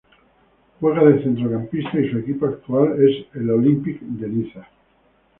Juega de centrocampista y su equipo actual es el Olympique Niza.